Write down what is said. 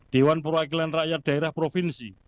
dewan perwakilan rakyat daerah provinsi